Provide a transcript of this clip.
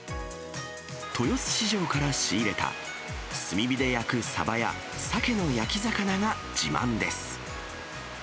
豊洲市場から仕入れた、炭火で焼くサバや、サケの焼き魚が自慢です。